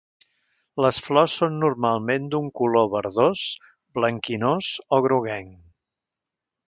Les flors són normalment d'un color verdós, blanquinós o groguenc.